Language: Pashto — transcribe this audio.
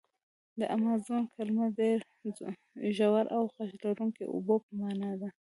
د امازون کلمه د ډېر زوږ او غږ لرونکي اوبو په معنا ده.